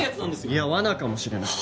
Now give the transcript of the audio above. いや罠かもしれない。